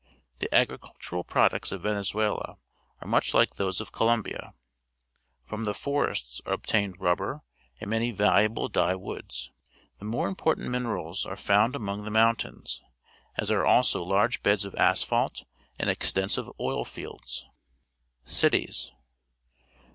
The agricul tural products of Venezuela are much like those of Colombia. From the forests are Ploughing in the Central Andes obtained rubber and many valuable dye woods. The more important minerals are found among the mountains, as are also large beds of asphalt and extensive oil fields. Cities.